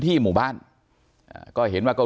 ขอบคุณมากครับขอบคุณมากครับ